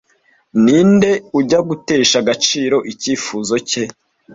ninde ujya gutesha agaciro icyifuzo cye